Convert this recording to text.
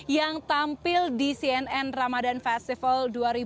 yang tampil di cnn ramadan festival dua ribu dua puluh